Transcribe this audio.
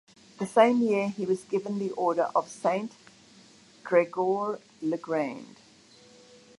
The same year he was given the order of Saint-Grégoire-le-Grand.